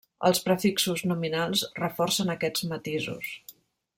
Els prefixos nominals reforcen aquests matisos.